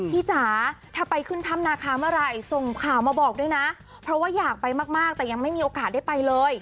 พี่จ๋าถ้าไปขึ้นทำราคาเมื่อไร